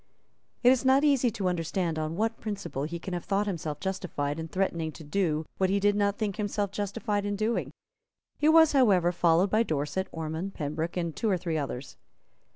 It is not easy to understand on what principle he can have thought himself justified in threatening to do what he did not think himself justified in doing. He was, however, followed by Dorset, Ormond, Pembroke, and two or three others.